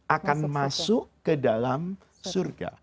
akan masuk ke dalam surga